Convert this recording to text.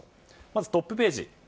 まずトップページ。